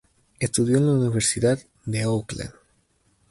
Estudió en la Universidad de Auckland.